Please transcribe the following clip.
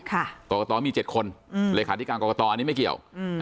ค่ะกรกตรมีเจ็ดคนอืมเลขาธิการกรกตรอันนี้ไม่เกี่ยวอืม